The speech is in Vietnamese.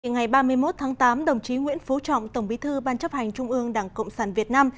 ngày ba mươi một tháng tám đồng chí nguyễn phú trọng tổng bí thư ban chấp hành trung ương đảng cộng sản việt nam